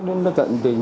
rất cận tình